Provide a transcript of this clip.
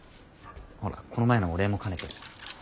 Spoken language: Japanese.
ほらこの前のお礼も兼ねて。